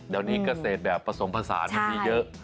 เดี๋ยวนี้เกษตรแบบผสมผสานมันมีเยอะ